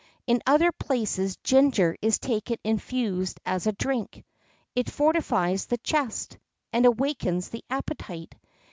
In other places ginger is taken infused as a drink; it fortifies the chest, and awakens the appetite.